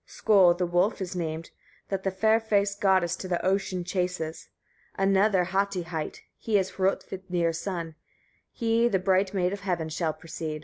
39. Sköll the wolf is named, that the fair faced goddess to the ocean chases; another Hati hight, he is Hrôdvitnir's son; he the bright maid of heaven shall precede.